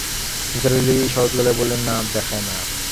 নিসার আলি সহজ গলায় বললেন, না, দেখায় না।